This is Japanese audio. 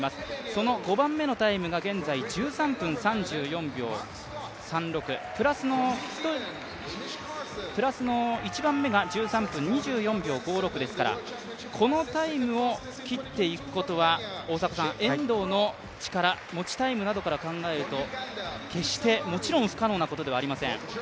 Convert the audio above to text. その５番目のタイムが現在１３分３４秒３６、プラスの１番目が１３分２４秒５６ですからこのタイムを切っていくことは大迫さん、遠藤の力、持ちタイムからなどから考えると、もちろん不可能なことではありません。